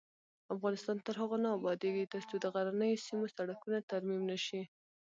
افغانستان تر هغو نه ابادیږي، ترڅو د غرنیو سیمو سړکونه ترمیم نشي.